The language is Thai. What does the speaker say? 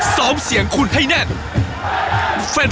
ซ้อมเสียงคุณให้แน่น